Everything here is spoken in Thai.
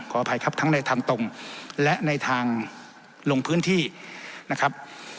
อภัยครับทั้งในทางตรงและในทางลงพื้นที่นะครับ